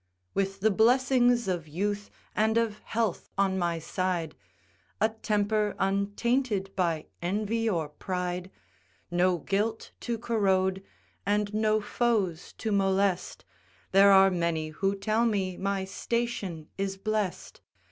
With the blessings of youth and of health on my side, A temper untainted by envy or pride; No guilt to corrode, and no foes to molest; There are many who tell me my station is blest.